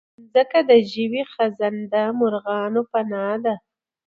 مځکه د ژوي، خزنده، مرغانو پناه ده.